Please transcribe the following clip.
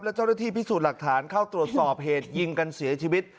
และเจ้าหน้าที่พิสูจน์หลักฐานเข้าตรวจสอบเหตุยิงกันเสียชีวิต